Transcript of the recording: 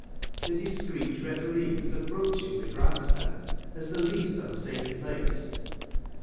The discreet referee was approaching the grand stand as the least unsafe place.